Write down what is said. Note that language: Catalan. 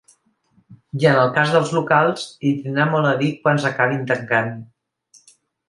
I en el cas dels locals, hi tindrà molt a dir quants acabin tancant.